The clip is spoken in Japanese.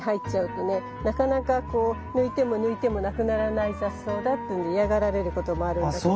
なかなかこう抜いても抜いても無くならない雑草だっていうんで嫌がられることもあるんだけど。